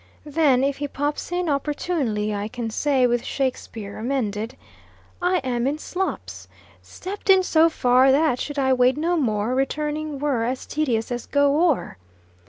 Then, if he pops in opportunely, I can say, with Shakspeare amended: I am in slops, Stept in so far, that, should I wade no more, Returning were as tedious as go o'er.